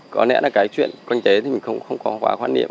có lẽ là cái chuyện quanh chế thì mình không có quá quan niệm